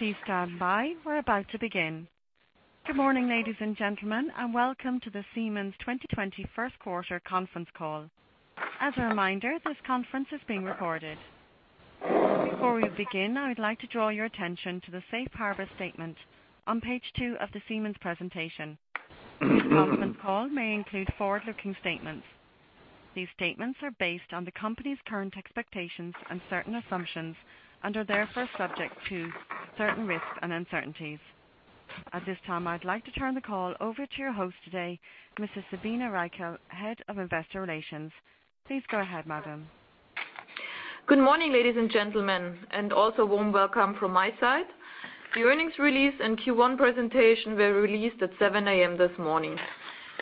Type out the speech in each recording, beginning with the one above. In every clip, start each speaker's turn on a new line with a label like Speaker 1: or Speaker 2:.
Speaker 1: Please stand by. We're about to begin. Good morning, ladies and gentlemen, and welcome to the Siemens 2020 First Quarter Conference Call. As a reminder, this conference is being recorded. Before we begin, I would like to draw your attention to the safe harbor statement on page two of the Siemens presentation. This conference call may include forward-looking statements. These statements are based on the company's current expectations and certain assumptions, and are therefore subject to certain risks and uncertainties. At this time, I'd like to turn the call over to your host today, Mrs. Sabine Reichel, Head of Investor Relations. Please go ahead, madam.
Speaker 2: Good morning, ladies and gentlemen, and also warm welcome from my side. The earnings release and Q1 presentation were released at 7:00 A.M. this morning.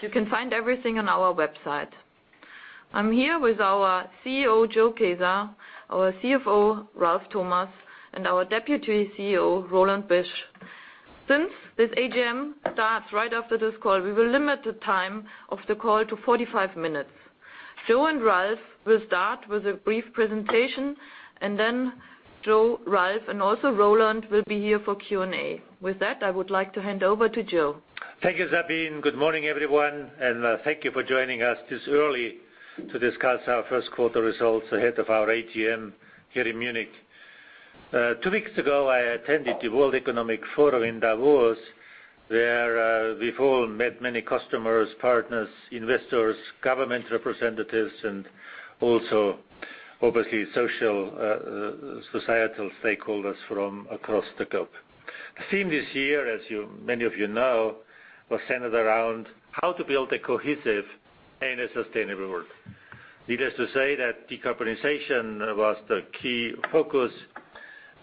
Speaker 2: You can find everything on our website. I'm here with our CEO, Joe Kaeser, our CFO, Ralf Thomas, and our Deputy CEO, Roland Busch. Since this AGM starts right after this call, we will limit the time of the call to 45 minutes. Joe and Ralf will start with a brief presentation, and then Joe, Ralf, and also Roland will be here for Q&A. With that, I would like to hand over to Joe.
Speaker 3: Thank you, Sabine. Good morning, everyone, and thank you for joining us this early to discuss our First Quarter Results ahead of our AGM here in Munich. Two weeks ago, I attended the World Economic Forum in Davos, where we've all met many customers, partners, investors, government representatives, and also, obviously, social societal stakeholders from across the globe. The theme this year, as many of you know, was centered around how to build a cohesive and a sustainable world. Needless to say that decarbonization was the key focus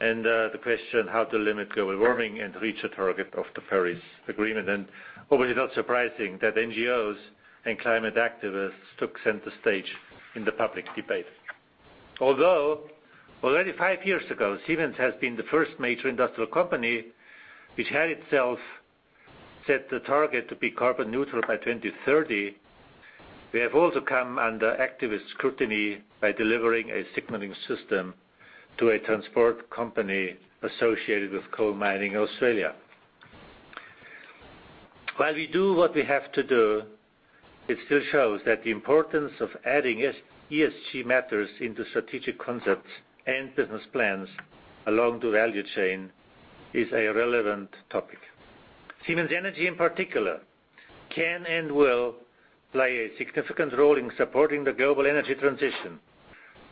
Speaker 3: and the question, how to limit global warming and reach the target of the Paris Agreement. Obviously not surprising that NGOs and climate activists took center stage in the public debate. Although already five years ago, Siemens has been the first major industrial company which had itself set the target to be carbon neutral by 2030. We have also come under activist scrutiny by delivering a signaling system to a transport company associated with coal mining Australia. While we do what we have to do, it still shows that the importance of adding ESG matters into strategic concepts and business plans along the value chain is a relevant topic. Siemens Energy, in particular, can and will play a significant role in supporting the global energy transition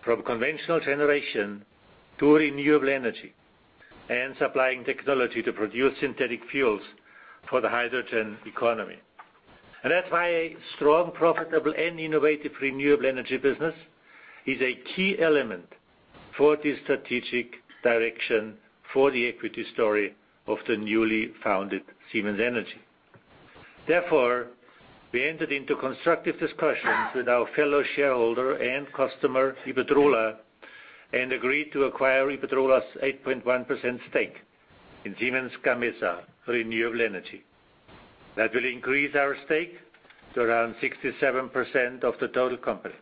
Speaker 3: from conventional generation to renewable energy, and supplying technology to produce synthetic fuels for the hydrogen economy. That's why a strong, profitable, and innovative renewable energy business is a key element for the strategic direction for the equity story of the newly founded Siemens Energy. Therefore, we entered into constructive discussions with our fellow shareholder and customer, Iberdrola, and agreed to acquire Iberdrola's 8.1% stake in Siemens Gamesa Renewable Energy. That will increase our stake to around 67% of the total company.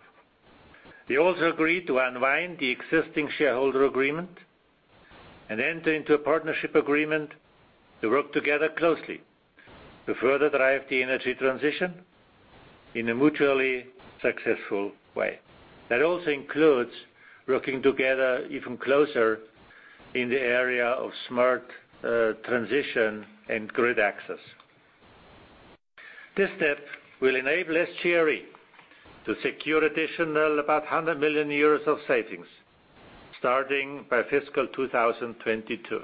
Speaker 3: We also agreed to unwind the existing shareholder agreement and enter into a partnership agreement to work together closely to further drive the energy transition in a mutually successful way. That also includes working together even closer in the area of smart transition and grid access. This step will enable SGRE to secure additional about 100 million euros of savings starting by fiscal 2022.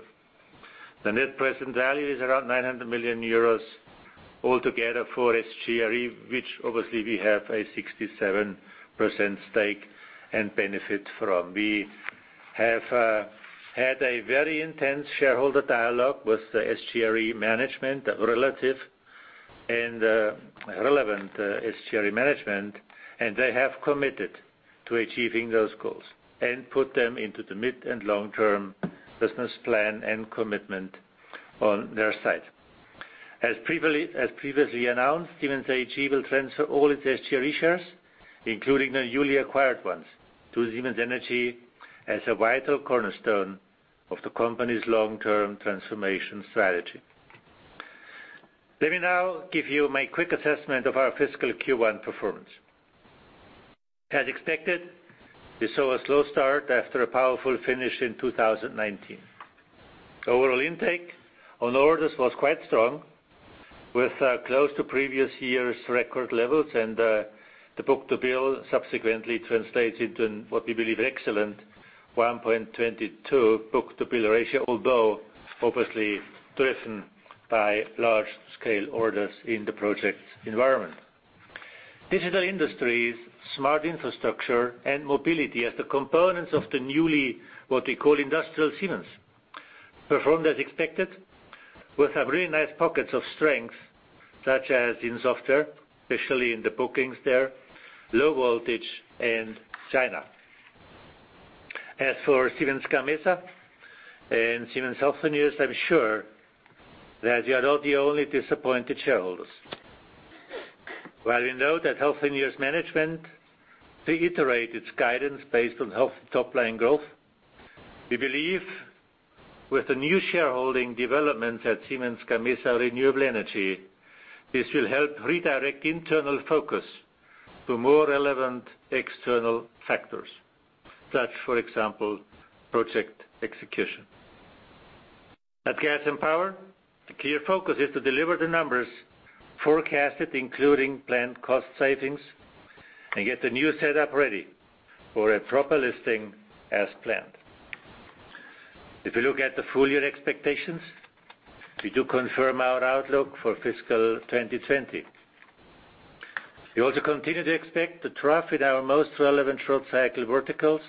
Speaker 3: The net present value is around 900 million euros altogether for SGRE, which obviously we have a 67% stake and benefit from. We have had a very intense shareholder dialogue with the SGRE management, the relative and relevant SGRE management, and they have committed to achieving those goals and put them into the mid and long-term business plan and commitment on their side. As previously announced, Siemens AG will transfer all its SGRE shares, including the newly acquired ones, to Siemens Energy as a vital cornerstone of the company's long-term transformation strategy. Let me now give you my quick assessment of our fiscal Q1 performance. As expected, we saw a slow start after a powerful finish in 2019. Overall intake on orders was quite strong, with close to previous year's record levels. The book-to-bill subsequently translated in what we believe excellent 1.22 book-to-bill ratio, although obviously driven by large-scale orders in the project environment. Digital Industries, Smart Infrastructure, and Mobility as the components of the newly, what we call Industrial Siemens, performed as expected with some really nice pockets of strength, such as in software, especially in the bookings there, low voltage in China. As for Siemens Gamesa and Siemens Healthineers, I'm sure that you are not the only disappointed shareholders. While we note that Healthineers management reiterate its guidance based on healthy top line growth, we believe with the new shareholding development at Siemens Gamesa Renewable Energy, this will help redirect internal focus to more relevant external factors, such as, for example, project execution. At Gas and Power, the clear focus is to deliver the numbers forecasted, including planned cost savings, and get the new setup ready for a proper listing as planned. If you look at the full year expectations, we do confirm our outlook for fiscal 2020. We also continue to expect the trough in our most relevant short-cycle verticals,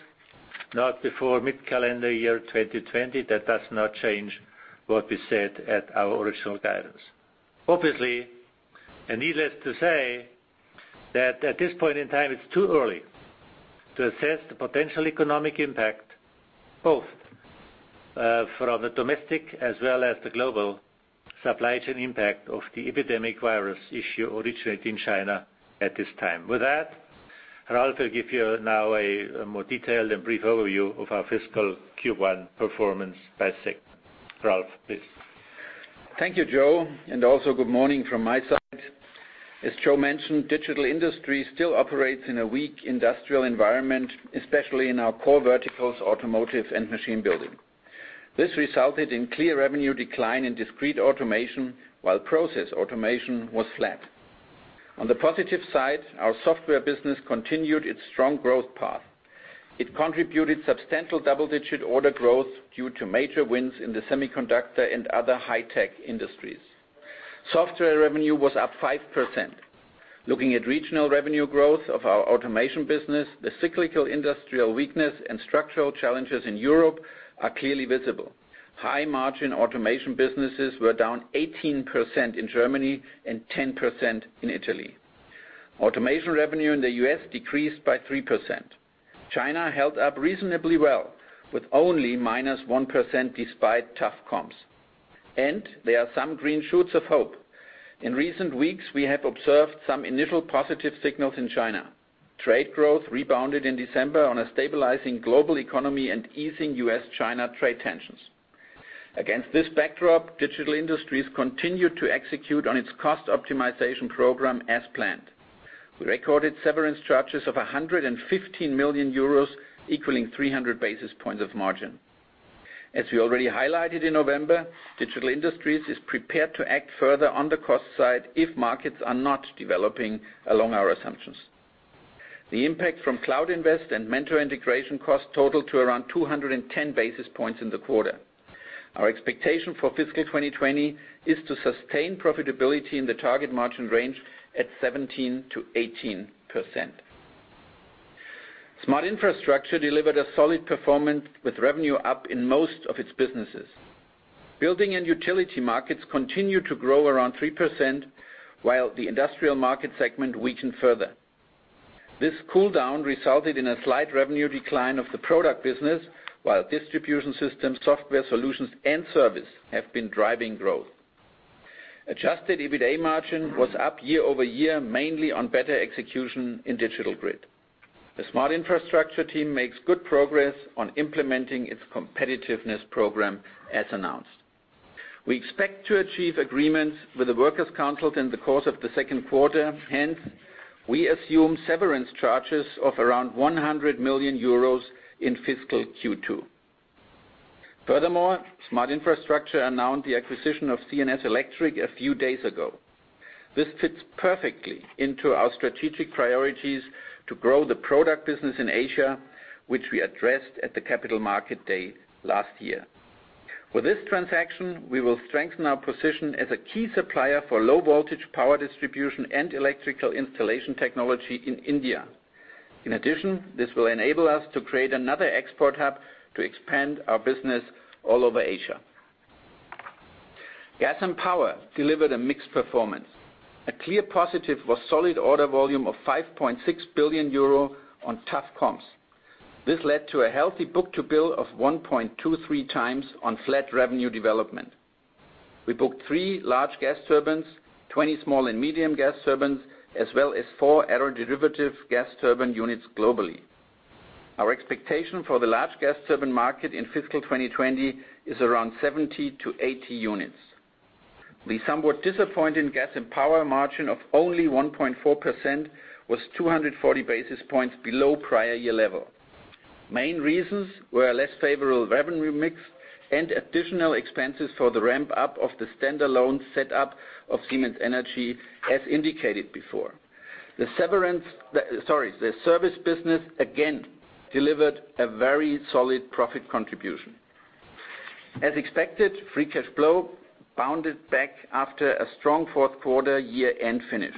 Speaker 3: not before mid-calendar year 2020. That does not change what we said at our original guidance. Obviously, and needless to say, that at this point in time it's too early to assess the potential economic impact, both from the domestic as well as the global supply chain impact of the epidemic virus issue originating in China at this time. With that, Ralf will give you now a more detailed and brief overview of our fiscal Q1 performance by segment. Ralf, please.
Speaker 4: Thank you, Joe, and also good morning from my side. As Joe mentioned, Digital Industries still operates in a weak industrial environment, especially in our core verticals, automotive and machine building. This resulted in clear revenue decline in discrete automation, while process automation was flat. On the positive side, our software business continued its strong growth path. It contributed substantial double-digit order growth due to major wins in the semiconductor and other high-tech industries. Software revenue was up 5%. Looking at regional revenue growth of our automation business, the cyclical industrial weakness and structural challenges in Europe are clearly visible. High-margin automation businesses were down 18% in Germany and 10% in Italy. Automation revenue in the U.S. decreased by 3%. China held up reasonably well, with only -1% despite tough comps. There are some green shoots of hope. In recent weeks, we have observed some initial positive signals in China. Trade growth rebounded in December on a stabilizing global economy and easing U.S.-China trade tensions. Against this backdrop, Digital Industries continued to execute on its cost optimization program as planned. We recorded severance charges of 115 million euros, equaling 300 basis points of margin. As we already highlighted in November, Digital Industries is prepared to act further on the cost side if markets are not developing along our assumptions. The impact from cloud investment and Mentor integration costs total to around 210 basis points in the quarter. Our expectation for fiscal 2020 is to sustain profitability in the target margin range at 17%-18%. Smart Infrastructure delivered a solid performance with revenue up in most of its businesses. Building and utility markets continue to grow around 3%, while the industrial market segment weakened further. This cool down resulted in a slight revenue decline of the product business, while distribution systems, software solutions, and service have been driving growth. Adjusted EBITA margin was up year-over-year, mainly on better execution in Digital Grid. The Smart Infrastructure team makes good progress on implementing its competitiveness program, as announced. We expect to achieve agreements with the workers' council in the course of the second quarter. Hence, we assume severance charges of around 100 million euros in fiscal Q2. Furthermore, Smart Infrastructure announced the acquisition of C&S Electric a few days ago. This fits perfectly into our strategic priorities to grow the product business in Asia, which we addressed at the Capital Market Day last year. With this transaction, we will strengthen our position as a key supplier for low-voltage power distribution and electrical installation technology in India. In addition, this will enable us to create another export hub to expand our business all over Asia. Gas and Power delivered a mixed performance. A clear positive was solid order volume of 5.6 billion euro on tough comps. This led to a healthy book-to-bill of 1.23 times on flat revenue development. We booked three large gas turbines, 20 small and medium gas turbines, as well as four aeroderivative gas turbine units globally. Our expectation for the large gas turbine market in fiscal 2020 is around 70-80 units. The somewhat disappointing Gas and Power margin of only 1.4% was 240 basis points below prior year level. Main reasons were a less favorable revenue mix and additional expenses for the ramp-up of the standalone setup of Siemens Energy, as indicated before. The service business again delivered a very solid profit contribution. As expected, free cash flow bounded back after a strong fourth quarter, year-end finish.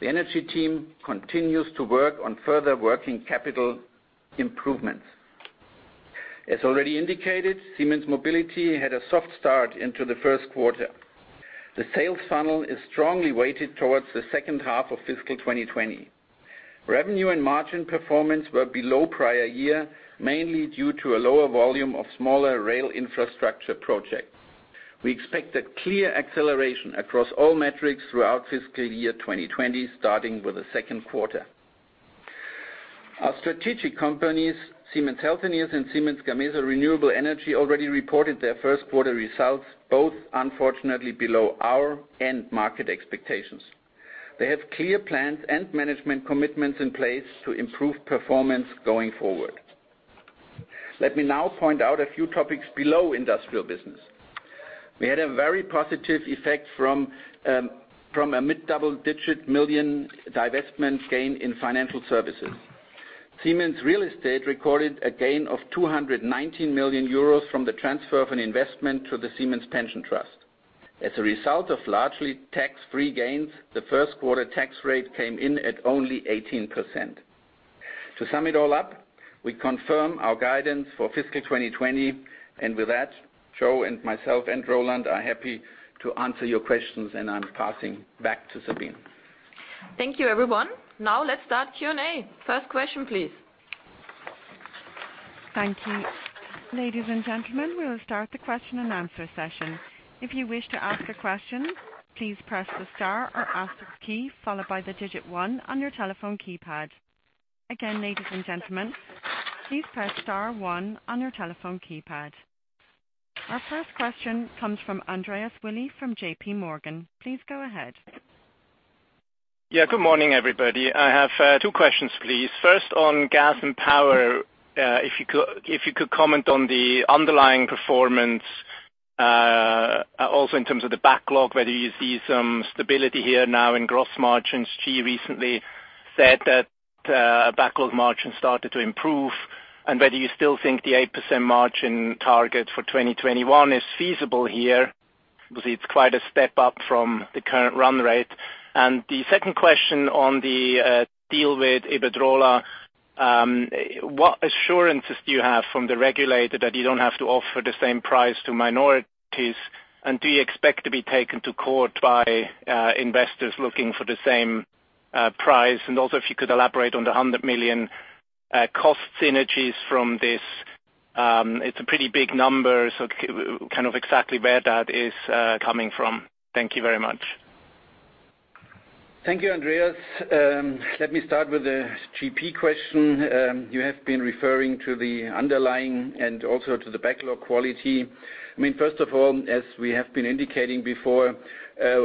Speaker 4: The Energy team continues to work on further working capital improvements. As already indicated, Siemens Mobility had a soft start into the first quarter. The sales funnel is strongly weighted towards the second half of fiscal 2020. Revenue and margin performance were below prior year, mainly due to a lower volume of smaller rail infrastructure projects. We expect a clear acceleration across all metrics throughout fiscal year 2020, starting with the second quarter. Our strategic companies, Siemens Healthineers and Siemens Gamesa Renewable Energy, already reported their first quarter results, both unfortunately below our end market expectations. They have clear plans and management commitments in place to improve performance going forward. Let me now point out a few topics below industrial business. We had a very positive effect from a EUR mid-double-digit million divestment gain in financial services. Siemens Real Estate recorded a gain of 219 million euros from the transfer of an investment to the Siemens Pension-Trust. As a result of largely tax-free gains, the first quarter tax rate came in at only 18%. To sum it all up, we confirm our guidance for fiscal 2020, and with that, Joe and myself and Roland are happy to answer your questions, and I'm passing back to Sabine.
Speaker 2: Thank you, everyone. Now let's start Q&A. First question, please.
Speaker 1: Thank you. Ladies and gentlemen, we'll start the question-and-answer session. If you wish to ask a question, please press the star or asterisk key, followed by the digit one on your telephone keypad. Again, ladies and gentlemen, please press star one on your telephone keypad. Our first question comes from Andreas Willi from JPMorgan. Please go ahead.
Speaker 5: Good morning, everybody. I have two questions, please. First, on Gas and Power, if you could comment on the underlying performance, also in terms of the backlog, whether you see some stability here now in gross margins. GE recently said that backlog margins started to improve, whether you still think the 8% margin target for 2021 is feasible here, because it's quite a step up from the current run rate. The second question on the deal with Iberdrola, what assurances do you have from the regulator that you don't have to offer the same price to minorities? Do you expect to be taken to court by investors looking for the same price? Also, if you could elaborate on the 100 million cost synergies from this. It's a pretty big number, kind of exactly where that is coming from. Thank you very much.
Speaker 4: Thank you, Andreas. Let me start with the GP question. You have been referring to the underlying and also to the backlog quality. First of all, as we have been indicating before,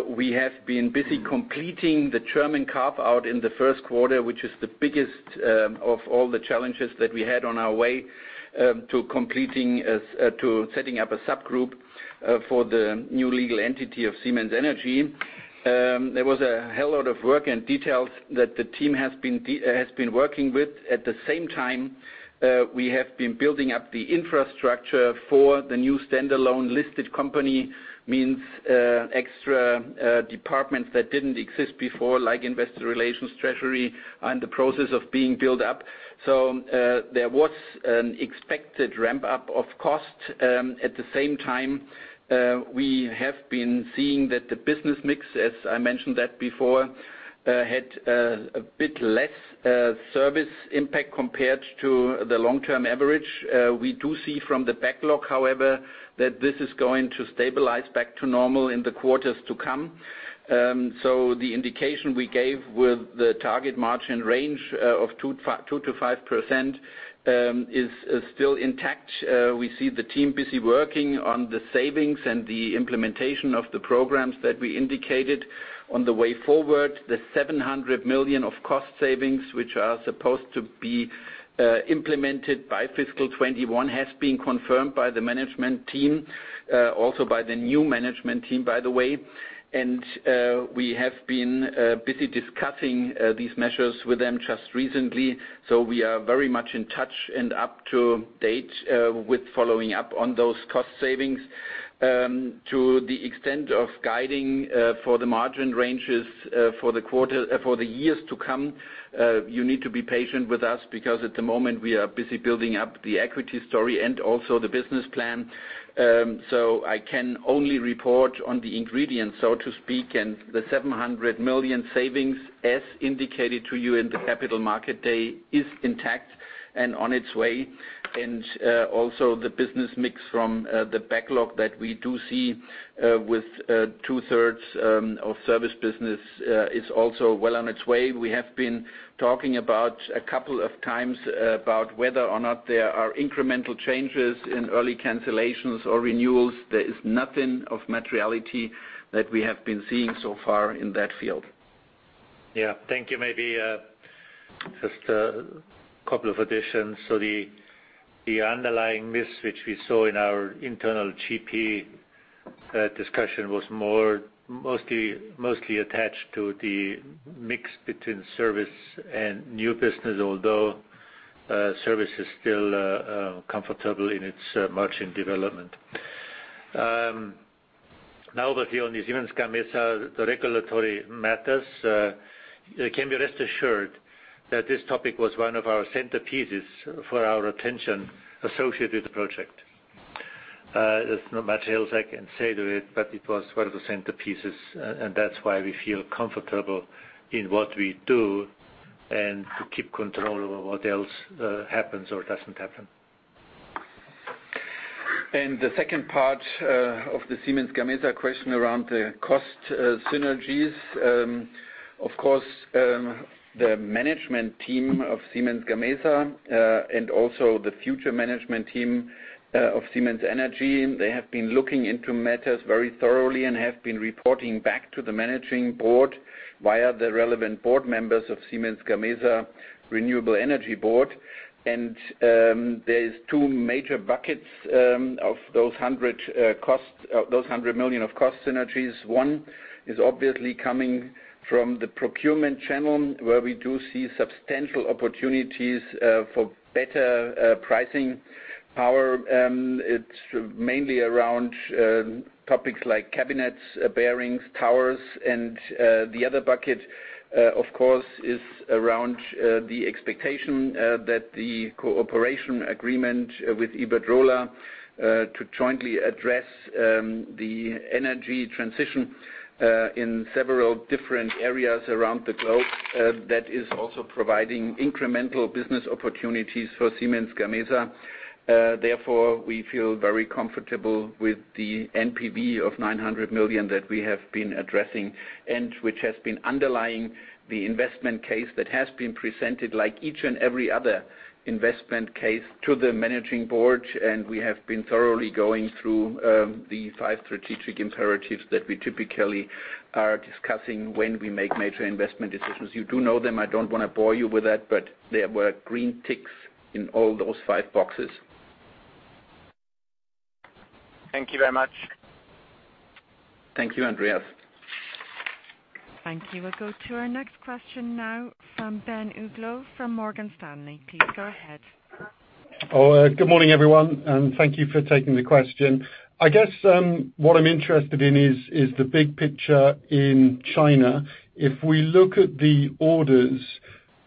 Speaker 4: we have been busy completing the German carve-out in the first quarter, which is the biggest of all the challenges that we had on our way to setting up a subgroup for the new legal entity of Siemens Energy. There was a hell lot of work and details that the team has been working with. At the same time, we have been building up the infrastructure for the new standalone listed company, means extra departments that didn't exist before, like investor relations, treasury, are in the process of being built up. There was an expected ramp-up of cost. At the same time, we have been seeing that the business mix, as I mentioned that before, had a bit less service impact compared to the long-term average. We do see from the backlog, however, that this is going to stabilize back to normal in the quarters to come. The indication we gave with the target margin range of 2%-5% is still intact. We see the team busy working on the savings and the implementation of the programs that we indicated. On the way forward, the 700 million of cost savings, which are supposed to be implemented by fiscal 2021, has been confirmed by the management team, also by the new management team, by the way. We have been busy discussing these measures with them just recently. We are very much in touch and up to date with following up on those cost savings. To the extent of guiding for the margin ranges for the years to come, you need to be patient with us because at the moment we are busy building up the equity story and also the business plan. I can only report on the ingredients, so to speak, and the 700 million savings, as indicated to you in the Capital Market Day, is intact and on its way. Also the business mix from the backlog that we do see with two-thirds of service business is also well on its way. We have been talking a couple of times about whether or not there are incremental changes in early cancellations or renewals. There is nothing of materiality that we have been seeing so far in that field.
Speaker 3: Thank you. Maybe just a couple of additions. The underlying miss, which we saw in our internal Gas and Power discussion, was mostly attached to the mix between service and new business, although service is still comfortable in its margin development. Now over to you on the Siemens Gamesa regulatory matters. You can be rest assured that this topic was one of our centerpieces for our attention associated with the project. There's not much else I can say to it, but it was one of the centerpieces, and that's why we feel comfortable in what we do, and to keep control over what else happens or doesn't happen.
Speaker 4: The second part of the Siemens Gamesa question around the cost synergies. Of course, the management team of Siemens Gamesa, and also the future management team of Siemens Energy, they have been looking into matters very thoroughly and have been reporting back to the managing board via the relevant board members of Siemens Gamesa Renewable Energy board. There's two major buckets of those 100 million of cost synergies. One is obviously coming from the procurement channel, where we do see substantial opportunities for better pricing power. It's mainly around topics like cabinets, bearings, towers. The other bucket of course, is around the expectation that the cooperation agreement with Iberdrola to jointly address the energy transition in several different areas around the globe, that is also providing incremental business opportunities for Siemens Gamesa. Therefore, we feel very comfortable with the NPV of 900 million that we have been addressing, and which has been underlying the investment case that has been presented like each and every other investment case to the managing board. We have been thoroughly going through the five strategic imperatives that we typically are discussing when we make major investment decisions. You do know them. I don't want to bore you with that, but there were green ticks in all those five boxes.
Speaker 5: Thank you very much.
Speaker 4: Thank you, Andreas.
Speaker 1: Thank you. We'll go to our next question now from Ben Uglow, from Morgan Stanley. Please go ahead.
Speaker 6: Good morning, everyone, and thank you for taking the question. I guess what I'm interested in is the big picture in China. If we look at the orders,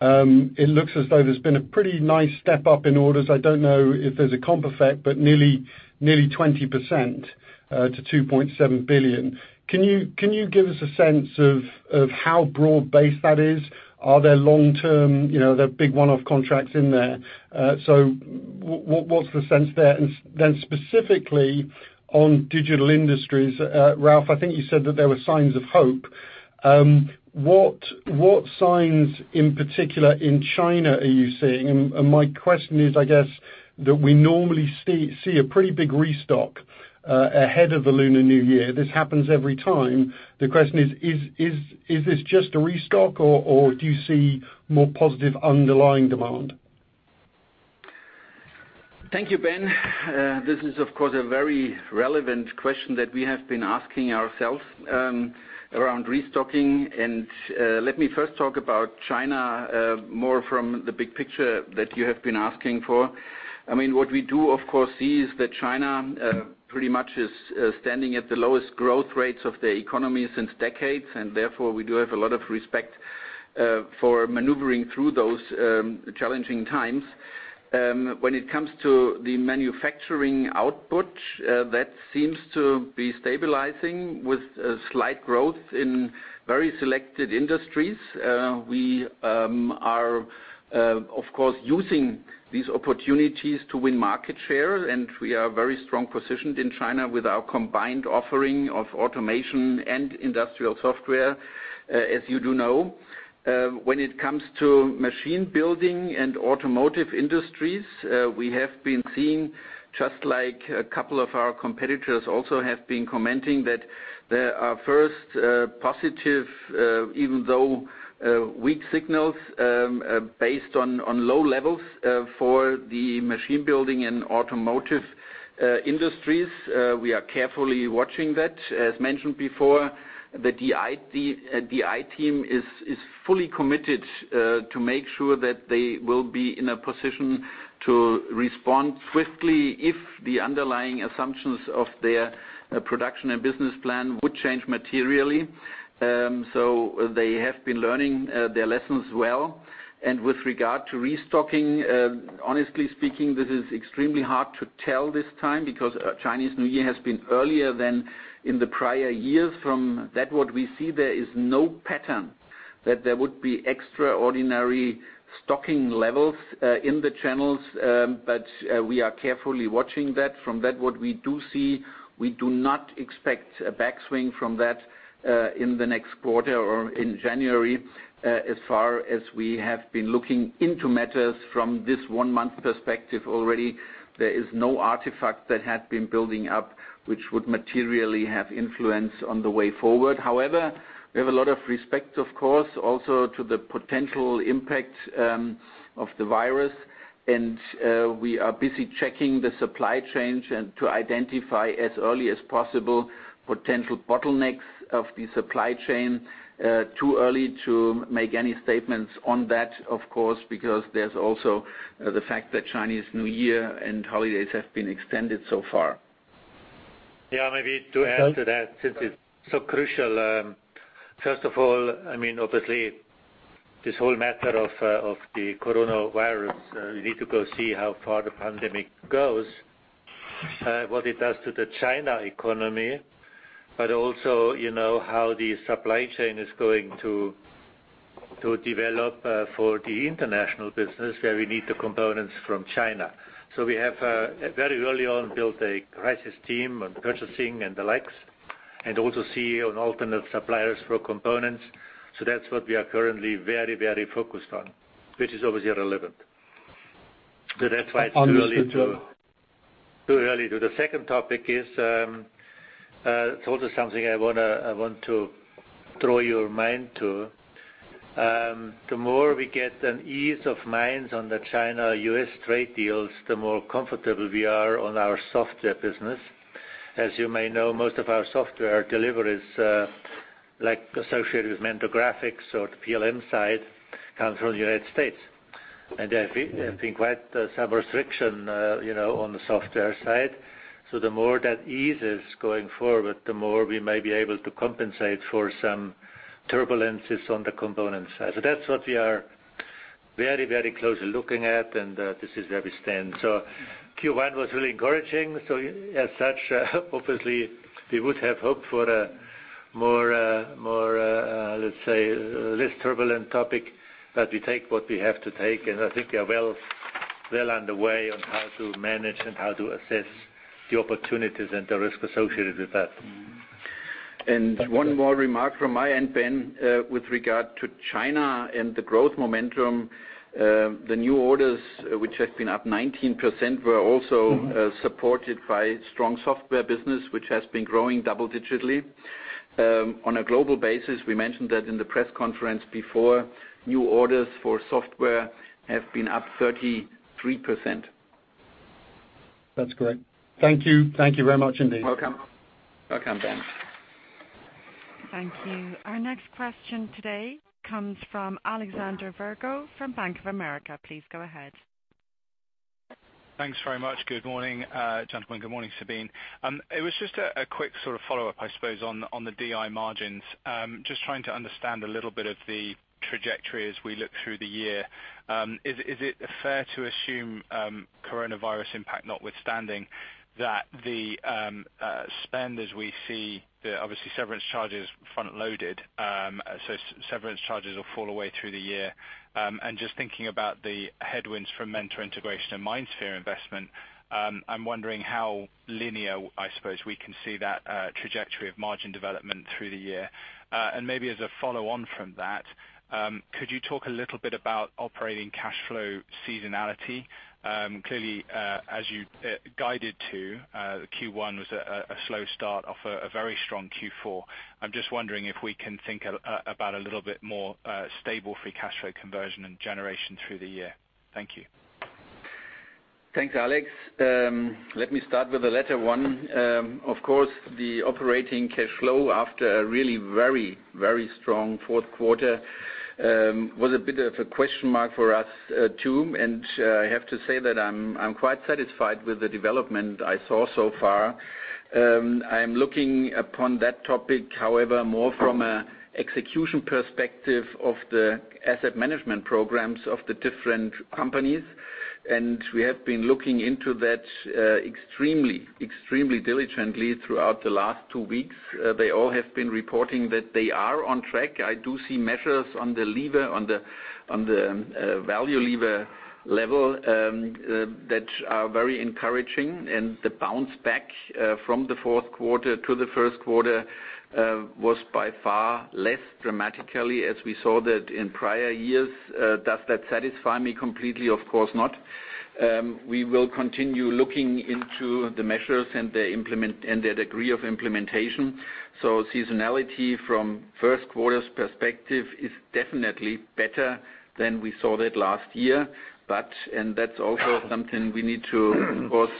Speaker 6: it looks as though there's been a pretty nice step up in orders. I don't know if there's a comp effect, but nearly 20% to 2.7 billion. Can you give us a sense of how broad-based that is? Are there long-term, the big one-off contracts in there? What's the sense there? Specifically on Digital Industries, Ralf, I think you said that there were signs of hope. What signs in particular in China are you seeing? My question is, I guess that we normally see a pretty big restock ahead of the Lunar New Year. This happens every time. The question is this just a restock, or do you see more positive underlying demand?
Speaker 4: Thank you, Ben. This is of course a very relevant question that we have been asking ourselves around restocking. Let me first talk about China more from the big picture that you have been asking for. What we do of course see is that China pretty much is standing at the lowest growth rates of the economy since decades, and therefore we do have a lot of respect for maneuvering through those challenging times. When it comes to the manufacturing output, that seems to be stabilizing with a slight growth in very selected industries. We are of course, using these opportunities to win market share, and we are very strong positioned in China with our combined offering of automation and industrial software, as you do know. When it comes to machine building and automotive industries, we have been seeing, just like a couple of our competitors also have been commenting, that there are first positive, even though weak signals, based on low levels for the machine building and automotive industries. We are carefully watching that. As mentioned before, the DI team is fully committed to make sure that they will be in a position to respond swiftly if the underlying assumptions of their production and business plan would change materially. They have been learning their lessons well. With regard to restocking, honestly speaking, this is extremely hard to tell this time because Chinese New Year has been earlier than in the prior years. From that what we see, there is no pattern that there would be extraordinary stocking levels in the channels, but we are carefully watching that. From that what we do see, we do not expect a backswing from that in the next quarter or in January. As far as we have been looking into matters from this one-month perspective already, there is no artifact that had been building up, which would materially have influence on the way forward. We have a lot of respect, of course, also to the potential impact of the virus. We are busy checking the supply chains to identify as early as possible potential bottlenecks of the supply chain. Too early to make any statements on that, of course, because there's also the fact that Chinese New Year and holidays have been extended so far.
Speaker 3: Yeah, maybe to add to that since it's so crucial. First of all, obviously this whole matter of the coronavirus, we need to go see how far the pandemic goes, what it does to the China economy, but also how the supply chain is going to develop for the international business where we need the components from China. We have very early on built a crisis team on purchasing and the likes, and also see on alternate suppliers for components. That's what we are currently very focused on, which is obviously relevant. That's why it's too early to. The second topic is also something I want to throw your mind to. The more we get an ease of minds on the China-U.S. trade deals, the more comfortable we are on our software business. As you may know, most of our software deliveries, like associated with Mentor Graphics or the PLM side, comes from the United States. There have been quite some restriction on the software side. The more that eases going forward, the more we may be able to compensate for some turbulences on the component side. That's what we are very closely looking at, and this is where we stand. Q1 was really encouraging. As such, obviously we would have hoped for, let's say, a less turbulent topic, but we take what we have to take, and I think we are well underway on how to manage and how to assess the opportunities and the risk associated with that.
Speaker 4: One more remark from my end, Ben, with regard to China and the growth momentum. The new orders, which have been up 19%, were also supported by strong software business, which has been growing double-digitally. On a global basis, we mentioned that in the press conference before, new orders for software have been up 33%.
Speaker 6: That's great. Thank you. Thank you very much indeed.
Speaker 4: Welcome. Welcome, Ben.
Speaker 1: Thank you. Our next question today comes from Alexander Virgo from Bank of America. Please go ahead.
Speaker 7: Thanks very much. Good morning, gentlemen. Good morning, Sabine. It was just a quick sort of follow-up, I suppose, on the DI margins. Just trying to understand a little bit of the trajectory as we look through the year. Is it fair to assume coronavirus impact notwithstanding that the spend as we see, obviously severance charges front-loaded, so severance charges will fall away through the year. Just thinking about the headwinds from Mentor integration and MindSphere investment, I'm wondering how linear, I suppose, we can see that trajectory of margin development through the year. Maybe as a follow-on from that, could you talk a little bit about operating cash flow seasonality? Clearly, as you guided to, Q1 was a slow start off a very strong Q4. I'm just wondering if we can think about a little bit more stable free cash flow conversion and generation through the year. Thank you.
Speaker 4: Thanks, Alex. Let me start with the latter one. The operating cash flow after a really very strong fourth quarter, was a bit of a question mark for us, too. I have to say that I'm quite satisfied with the development I saw so far. I am looking upon that topic, however, more from a execution perspective of the asset management programs of the different companies. We have been looking into that extremely diligently throughout the last two weeks. They all have been reporting that they are on track. I do see measures on the value lever level that are very encouraging. The bounce back from the fourth quarter to the first quarter was by far less dramatically as we saw that in prior years. Does that satisfy me completely? Of course not. We will continue looking into the measures and their degree of implementation. Seasonality from first quarter's perspective is definitely better than we saw that last year. That's also something we need to, of course,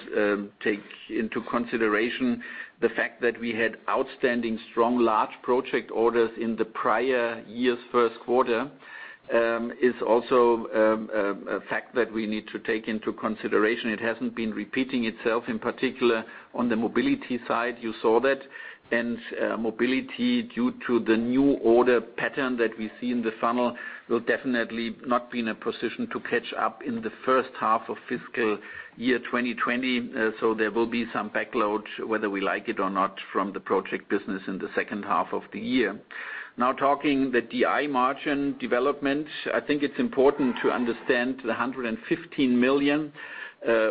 Speaker 4: take into consideration. The fact that we had outstanding strong large project orders in the prior year's first quarter is also a fact that we need to take into consideration. It hasn't been repeating itself, in particular on the Mobility side, you saw that. Mobility, due to the new order pattern that we see in the funnel, will definitely not be in a position to catch up in the first half of fiscal year 2020. There will be some backload, whether we like it or not, from the project business in the second half of the year. Talking the DI margin development, I think it's important to understand the 115 million,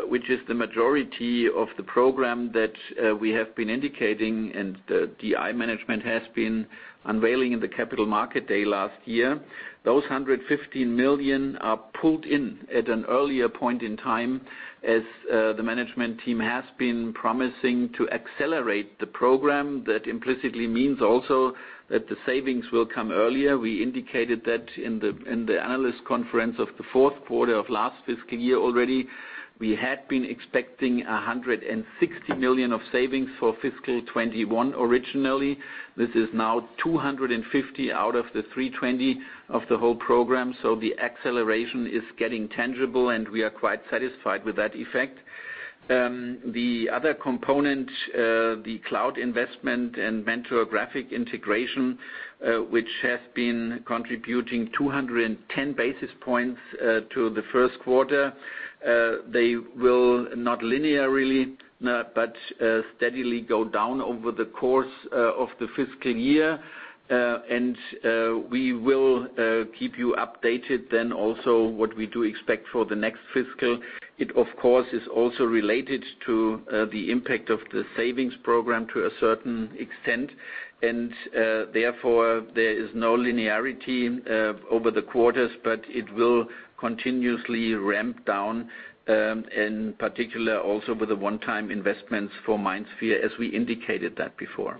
Speaker 4: which is the majority of the program that we have been indicating and the DI management has been unveiling in the Capital Market Day last year. Those 115 million are pulled in at an earlier point in time as the management team has been promising to accelerate the program. That implicitly means also that the savings will come earlier. We indicated that in the analyst conference of the fourth quarter of last fiscal year already. We had been expecting 160 million of savings for fiscal 2021 originally. This is now 250 million out of the 320 million of the whole program. The acceleration is getting tangible, and we are quite satisfied with that effect. The other component, the cloud investment and Mentor Graphics integration, which has been contributing 210 basis points to the first quarter. They will not linearly, but steadily go down over the course of the fiscal year. We will keep you updated then also what we do expect for the next fiscal. It, of course, is also related to the impact of the savings program to a certain extent, and therefore, there is no linearity over the quarters, but it will continuously ramp down, in particular, also with the one-time investments for MindSphere, as we indicated that before.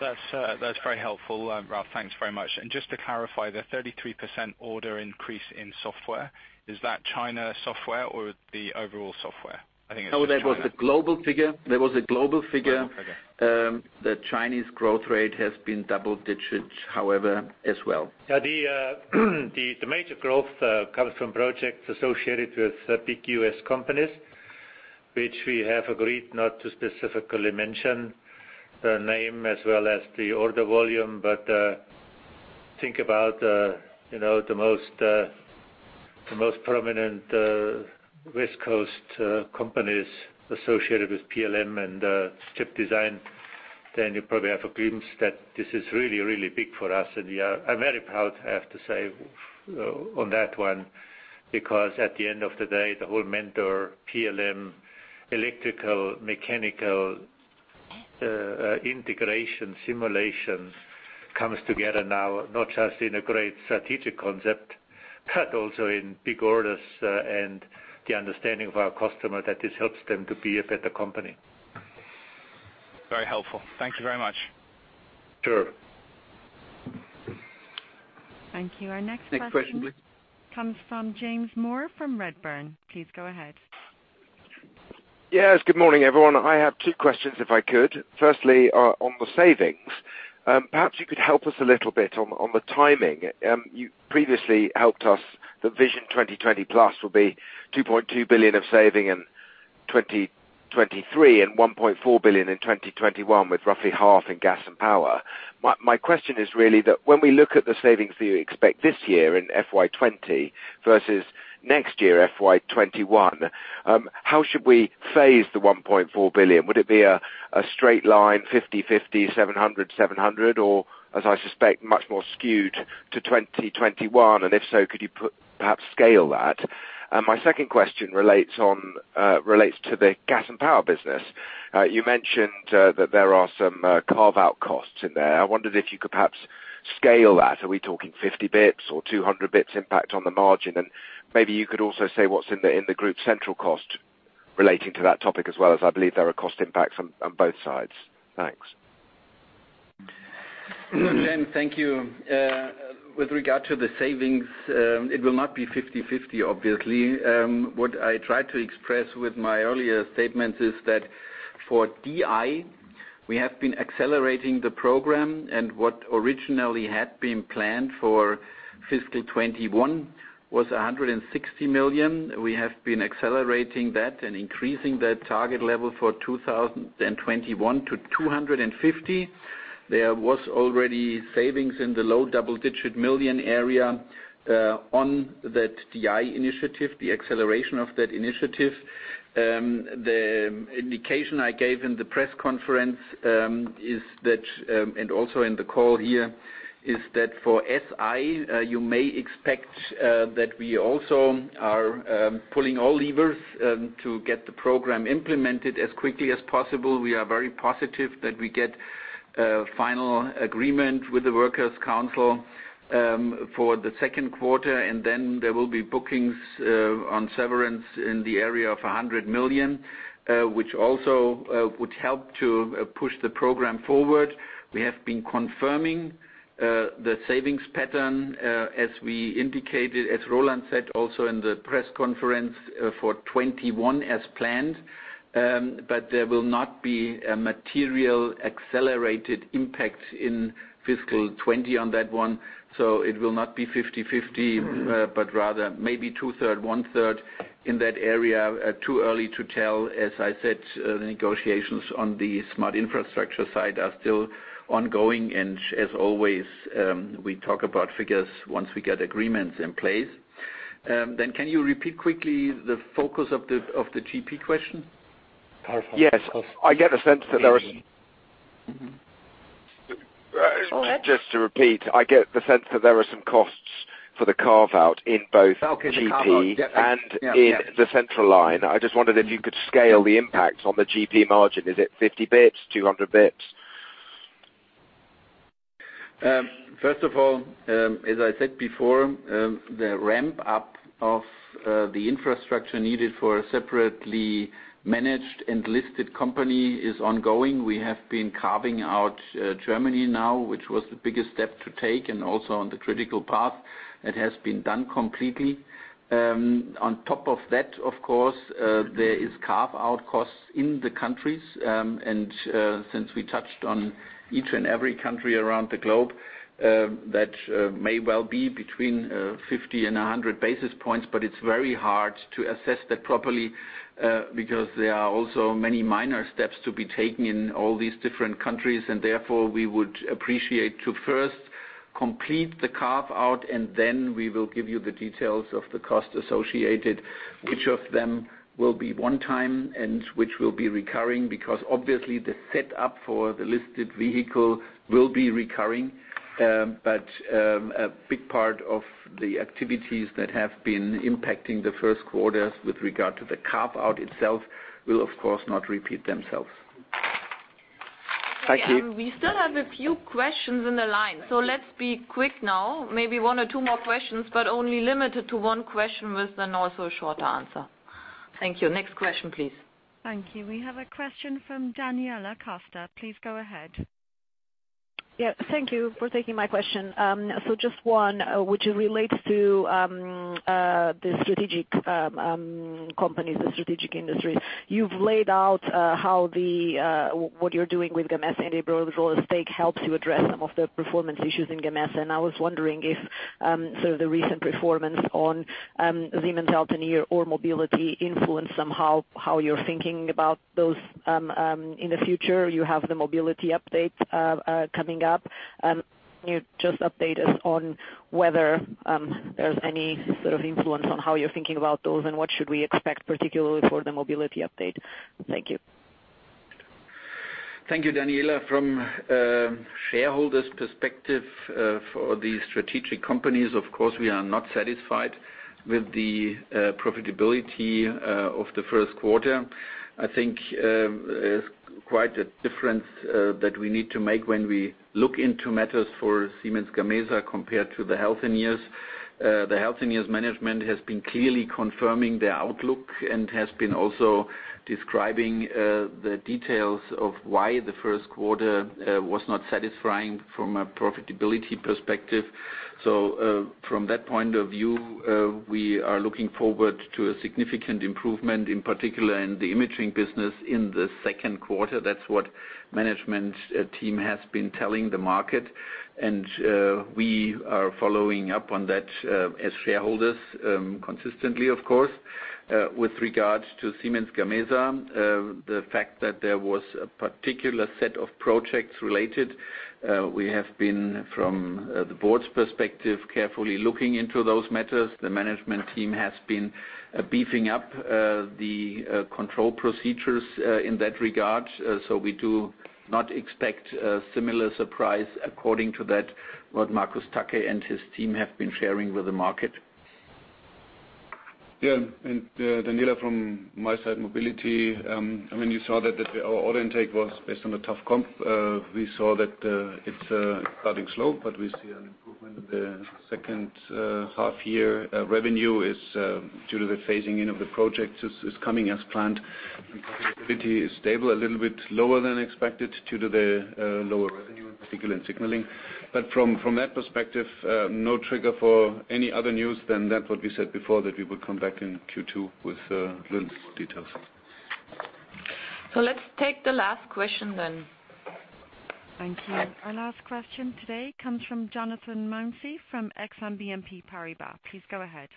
Speaker 7: That's very helpful, Ralf. Thanks very much. Just to clarify, the 33% order increase in software, is that China software or the overall software? I think it's just China.
Speaker 4: No, that was the global figure. The Chinese growth rate has been double digits, however, as well.
Speaker 3: The major growth comes from projects associated with big U.S. companies, which we have agreed not to specifically mention the name as well as the order volume. Think about the most prominent West Coast companies associated with PLM and chip design, then you probably have a glimpse that this is really, really big for us. We are very proud, I have to say, on that one, because at the end of the day, the whole Mentor PLM, electrical, mechanical integration simulation comes together now, not just in a great strategic concept, but also in big orders and the understanding of our customer that this helps them to be a better company.
Speaker 7: Very helpful. Thank you very much.
Speaker 3: Sure.
Speaker 1: Thank you. Our next question...
Speaker 4: Next question, please....
Speaker 1: Comes from James Moore from Redburn. Please go ahead.
Speaker 8: Yes. Good morning, everyone. I have two questions, if I could. On the savings, perhaps you could help us a little bit on the timing. You previously helped us that Vision 2020+ will be 2.2 billion of saving in 2023 and 1.4 billion in 2021, with roughly half in Gas and Power. My question is really that when we look at the savings that you expect this year in FY 2020 versus next year, FY 2021, how should we phase the 1.4 billion? Would it be a straight line, 50/50, 700/EUR 700 or, as I suspect, much more skewed to 2021? If so, could you perhaps scale that? My second question relates to the Gas and Power business. You mentioned that there are some carve-out costs in there. I wondered if you could perhaps scale that. Are we talking 50 basis points or 200 basis points impact on the margin? Maybe you could also say what's in the Group Central cost relating to that topic as well, as I believe there are cost impacts on both sides. Thanks.
Speaker 4: James, thank you. With regard to the savings, it will not be 50/50, obviously. What I tried to express with my earlier statements is that for DI, we have been accelerating the program, and what originally had been planned for fiscal 2021 was 160 million. We have been accelerating that and increasing that target level for 2021 to 250 million. There was already savings in the low double-digit million area on that DI initiative, the acceleration of that initiative. The indication I gave in the press conference and also in the call here is that for SI, you may expect that we also are pulling all levers to get the program implemented as quickly as possible. We are very positive that we get a final agreement with the workers' council for the second quarter, and then there will be bookings on severance in the area of 100 million, which also would help to push the program forward. We have been confirming the savings pattern as we indicated, as Roland said, also in the press conference for 2021 as planned. There will not be a material accelerated impact in fiscal 2020 on that one. It will not be 50/50, but rather maybe 2/3, 1/3 in that area. Too early to tell. As I said, the negotiations on the Smart Infrastructure side are still ongoing, and as always, we talk about figures once we get agreements in place. Can you repeat quickly the focus of the Gas and Power question?
Speaker 3: Carve-out cost.
Speaker 8: Yes. I get the sense that there are.
Speaker 1: Go ahead. Go ahead.
Speaker 8: Just to repeat, I get the sense that there are some costs for the carve-out in both GP...
Speaker 4: Okay. The carve-out. Yes....
Speaker 8: In the central line. I just wondered if you could scale the impact on the GP margin. Is it 50 basis points, 200 basis points?
Speaker 4: First of all, as I said before, the ramp-up of the infrastructure needed for a separately managed and listed company is ongoing. We have been carving out Germany now, which was the biggest step to take and also on the critical path. It has been done completely. On top of that, of course, there is carve-out costs in the countries. Since we touched on each and every country around the globe, that may well be between 50 basis point and 100 basis points, but it's very hard to assess that properly because there are also many minor steps to be taken in all these different countries, and therefore we would appreciate to first complete the carve-out, and then we will give you the details of the cost associated, which of them will be one time and which will be recurring, because obviously the setup for the listed vehicle will be recurring. A big part of the activities that have been impacting the first quarters with regard to the carve-out itself will, of course, not repeat themselves.
Speaker 8: Thank you.
Speaker 2: We still have a few questions in the line. Let's be quick now. Maybe one or two more questions, but only limited to one question with then also a short answer. Thank you. Next question, please.
Speaker 1: Thank you. We have a question from Daniela Costa. Please go ahead.
Speaker 9: Thank you for taking my question. Just one, which relates to the strategic companies, the strategic industries. You've laid out what you're doing with Gamesa, and the overall stake helps you address some of the performance issues in Gamesa. I was wondering if sort of the recent performance on Siemens Healthineers or Mobility influenced somehow how you're thinking about those in the future. You have the Mobility update coming up. Can you just update us on whether there's any sort of influence on how you're thinking about those, and what should we expect, particularly for the Mobility update? Thank you.
Speaker 4: Thank you, Daniela. From a shareholder's perspective, for the strategic companies, of course, we are not satisfied with the profitability of the first quarter. I think there's quite a difference that we need to make when we look into matters for Siemens Gamesa compared to the Siemens Healthineers. The Siemens Healthineers management has been clearly confirming their outlook and has been also describing the details of why the first quarter was not satisfying from a profitability perspective. From that point of view, we are looking forward to a significant improvement, in particular in the imaging business in the second quarter. That's what management team has been telling the market, and we are following up on that as shareholders consistently, of course. With regards to Siemens Gamesa, the fact that there was a particular set of projects related, we have been, from the board's perspective, carefully looking into those matters. The management team has been beefing up the control procedures in that regard. We do not expect a similar surprise according to that, what Markus Tacke and his team have been sharing with the market.
Speaker 10: Daniela, from my side, Mobility, you saw that our order intake was based on a tough comp. We saw that it is starting slow, but we see an improvement in the second half year. Revenue is, due to the phasing in of the projects, is coming as planned, profitability is stable, a little bit lower than expected due to the lower revenue, in particular in signaling. From that perspective, no trigger for any other news than that what we said before, that we would come back in Q2 with little details.
Speaker 2: Let's take the last question then.
Speaker 1: Thank you. Our last question today comes from Jonathan Mounsey from Exane BNP Paribas. Please go ahead.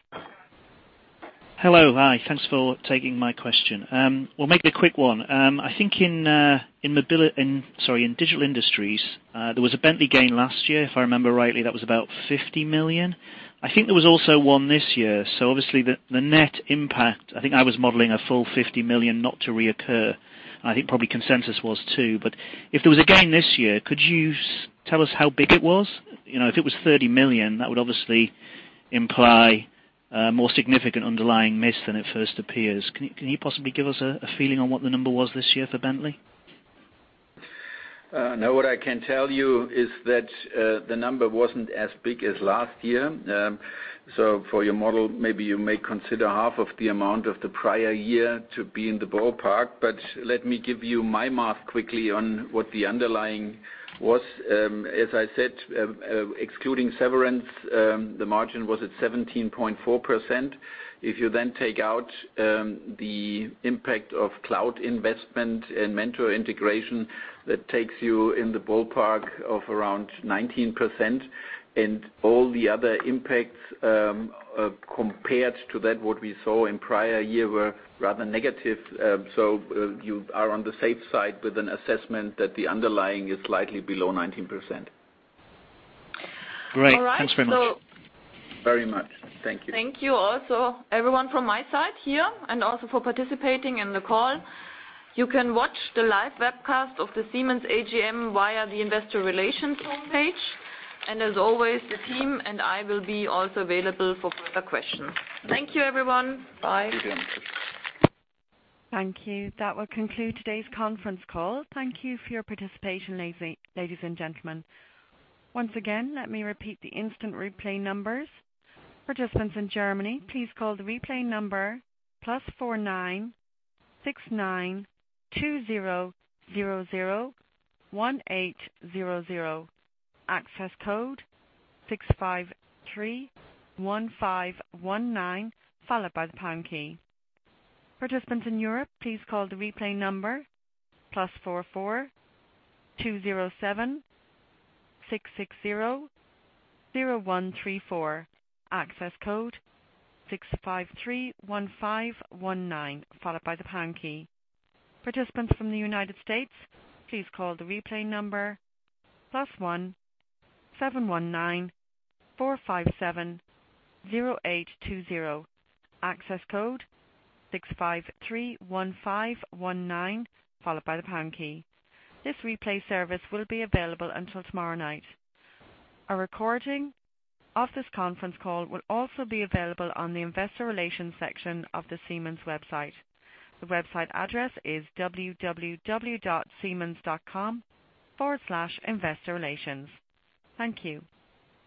Speaker 11: Hello. Hi. Thanks for taking my question. Well, maybe a quick one. I think in Digital Industries, there was a Bentley gain last year. If I remember rightly, that was about 50 million. I think there was also one this year. Obviously, the net impact, I think I was modeling a full 50 million not to reoccur. I think probably consensus was, too. If there was a gain this year, could you tell us how big it was? If it was 30 million, that would obviously imply a more significant underlying miss than it first appears. Can you possibly give us a feeling on what the number was this year for Bentley?
Speaker 4: No, what I can tell you is that the number wasn't as big as last year. For your model, maybe you may consider half of the amount of the prior year to be in the ballpark, but let me give you my math quickly on what the underlying was. As I said, excluding severance, the margin was at 17.4%. If you then take out the impact of cloud investment and Mentor integration, that takes you in the ballpark of around 19%, and all the other impacts, compared to that what we saw in prior year, were rather negative. You are on the safe side with an assessment that the underlying is slightly below 19%.
Speaker 11: Great. Thanks very much.
Speaker 4: Very much. Thank you.
Speaker 2: Thank you also, everyone from my side here, and also for participating in the call. You can watch the live webcast of the Siemens AGM via the investor relations homepage. As always, the team and I will be also available for further questions. Thank you, everyone. Bye.
Speaker 4: Thank you.
Speaker 1: Thank you. That will conclude today's conference call. Thank you for your participation, ladies and gentlemen. Once again, let me repeat the instant replay numbers. Participants in Germany, please call the replay number +496920001800. Access code 6531519, followed by the pound key. Participants in Europe, please call the replay number +442076600134. Access code 6531519, followed by the pound key. Participants from the U.S., please call the replay number +17194570820. Access code 6531519, followed by the pound key. This replay service will be available until tomorrow night. A recording of this conference call will also be available on the investor relations section of the Siemens website. The website address is www.siemens.com/investorrelations. Thank you.